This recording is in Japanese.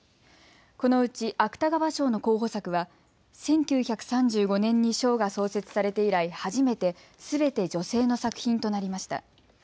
このうち芥川賞の候補作は１９３５年に賞が創設されて以来初めてすべて女性の作品となりました。